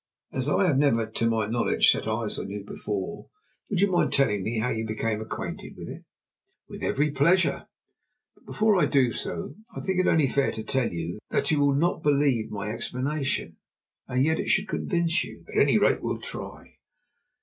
As I have never, to my knowledge, set eyes on you before, would you mind telling me how you became acquainted with it?" "With every pleasure. But before I do so I think it only fair to tell you that you will not believe my explanation. And yet it should convince you. At any rate we'll try.